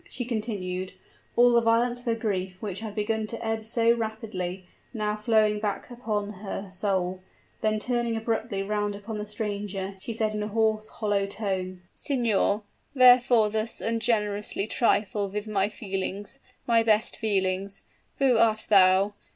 she continued, all the violence of her grief, which had begun to ebb so rapidly, now flowing back upon her soul; then turning abruptly round upon the stranger, she said in a hoarse hollow tone: "Signor, wherefore thus ungenerously trifle with my feelings my best feelings? Who art thou?